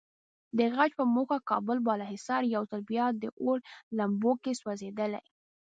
د غچ په موخه کابل بالاحصار یو ځل بیا د اور لمبو کې سوځېدلی.